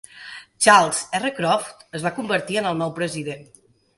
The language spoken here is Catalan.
Charles R. Croft es va convertir en el nou president.